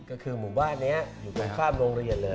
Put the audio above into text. ก็คือหมู่บ้านนี้อยู่ตรงข้ามโรงเรียนเลย